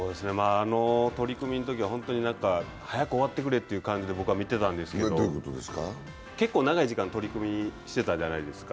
取組のときは本当に早く終わってくれという感じで見てたんですけど、結構長い時間、取組してたじゃないですか。